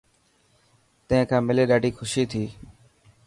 تين کان ملي ڏاڌي خوشي ٿي.